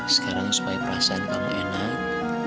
sekarang supaya perasaan kamu enak